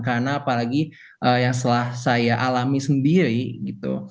karena apalagi yang setelah saya alami sendiri gitu